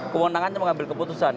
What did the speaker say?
kewenangannya mengambil keputusan